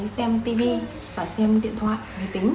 xem tivi và xem điện thoại